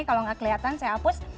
kalau nggak kelihatan saya hapus